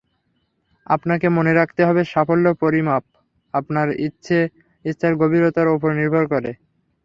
আপনাকে মনে রাখতে হবে সাফল্যের পরিমাপ আপনার ইচ্ছার গভীরতার ওপর নির্ভর করে।